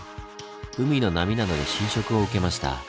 海の波などで侵食を受けました。